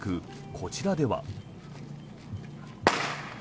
こちらでは。